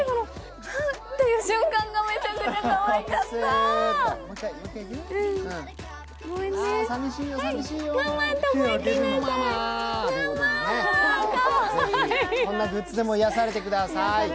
こんなグッズでも癒やされてください。